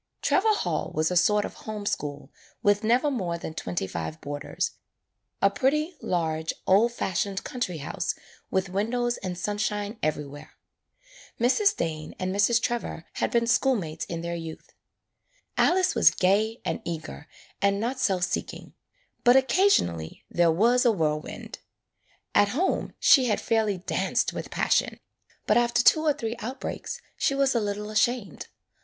Trevor Hall was a sort of home school with never more than twenty five boarders, a pretty, large old fashioned country house with windows and sunshine everywhere. Mrs. Dane and Mrs. Trevor had been schoolmates in their youth. Alice was gay and eager and not self seek ing. But occasionally there was a whirlwind. [ 13 ] AN EASTER LILY At home she had fairly danced with passion. But after two or three outbreaks she was a lit tle ashamed.